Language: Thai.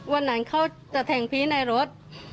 วันนั้นเขาจะแทงพี่ในรถ